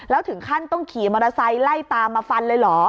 แล้วถึงขั้นต้องขี่มอเตอร์ไซค์ไล่ตามมาฟันเลยเหรอ